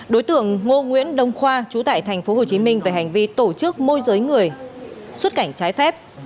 đối tượng ngô nguyễn đông khoa trú tại tp hcm về hành vi tổ chức môi giới người xuất cảnh trái phép